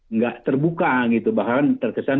nggak terbuka gitu bahkan terkesan